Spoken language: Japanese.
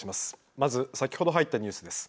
まず先ほど入ったニュースです。